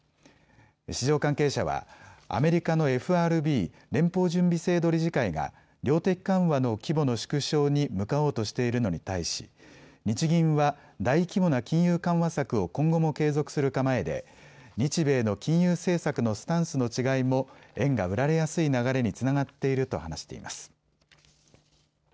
市場関係者はアメリカのＦＲＢ・連邦準備制度理事会が量的緩和の規模の縮小に向かおうとしているのに対し日銀は大規模な金融緩和策を今後も継続する構えで日米の金融政策のスタンスの違いも円が売られやすい流れにつながっていると話しています。